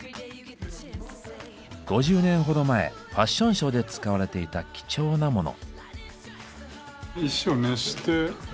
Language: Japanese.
５０年ほど前ファッションショーで使われていた貴重なモノ。